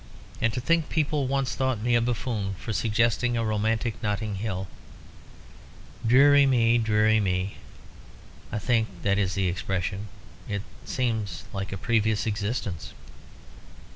And to think people once thought me a buffoon for suggesting a romantic Notting Hill. Deary me, deary me! (I think that is the expression) it seems like a previous existence."